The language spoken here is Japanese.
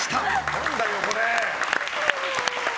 何だよ、これ！